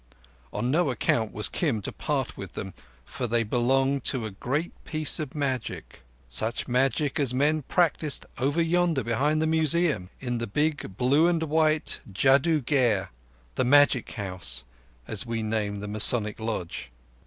On no account was Kim to part with them, for they belonged to a great piece of magic—such magic as men practised over yonder behind the Museum, in the big blue and white Jadoo Gher—the Magic House, as we name the Masonic Lodge.